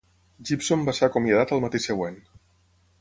Gibson va ser acomiadat al matí següent.